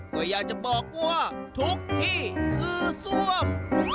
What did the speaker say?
ก็อยากจะบอกว่าทุกที่คือซ่วม